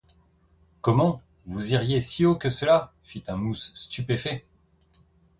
Comment! vous iriez si haut que cela? fit un mousse stupéfait.